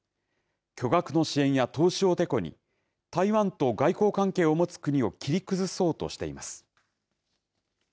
巨額の支援や投資をてこに台湾と外交関係を持つ国を切り崩そうとしています。